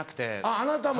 あなたも。